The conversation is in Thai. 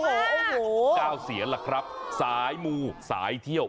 พระพิกเกณฑ์เก้าเซียนล่ะครับสายมู๋สายเที่ยว